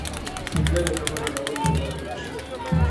سېرلی له کمره راولوېده او ټپي شو.